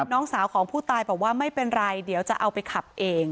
น้องสาวของผู้ตายบอกว่าไม่เป็นไรเดี๋ยวจะเอาไปขับเอง